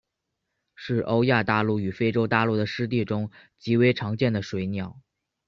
是欧亚大陆与非洲大陆的湿地中极为常见的水鸟。